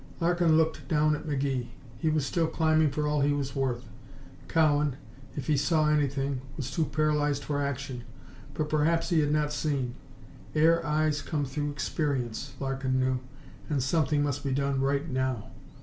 Larkin looked down at McGee. He was still climbing for all he was worth. Cowan, if he saw anything, was too paralyzed for action. But perhaps he had not seen. Air eyes come through experience, Larkin knew, and something must be done right now.